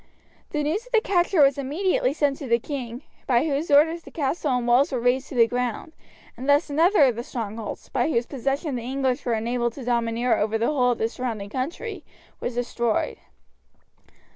The news of the capture was immediately sent to the king, by whose orders the castle and walls were razed to the ground, and thus another of the strongholds, by whose possession the English were enabled to domineer over the whole of the surrounding country, was destroyed.